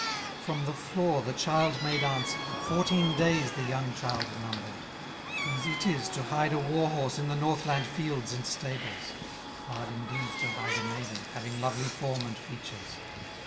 '" From the floor the child made answer, Fourteen days the young child numbered: "Easy 'tis to hide a war horse In the Northland fields and stables; Hard indeed to hide a maiden, Having lovely form and features!